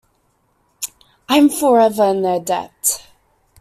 I'm forever in their debt.